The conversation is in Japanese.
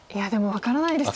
分からないです